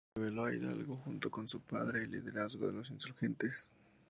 Relevó a Hidalgo junto con su padre en el liderazgo de los insurgentes.